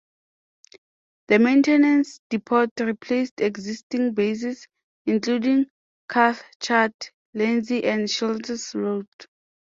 The maintenance depot replaced existing bases, including Cathcart, Lenzie and Shields Road.